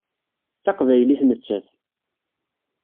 D taqbaylit nettat.